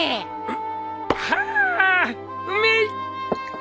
ん？